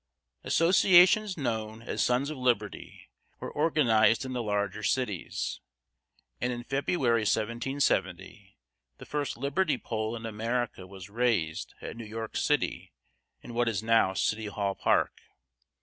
Associations known as Sons of Liberty were organized in the larger cities, and in February, 1770, the first Liberty Pole in America was raised at New York city, in what is now City Hall Park.